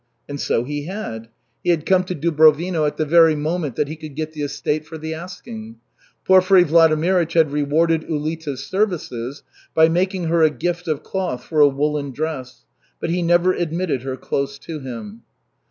And so he had! He had come to Dubrovino at the very moment that he could get the estate for the asking. Porfiry Vladimirych had rewarded Ulita's services by making her a gift of cloth for a woolen dress, but he never admitted her close to him.